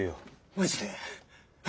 マジで？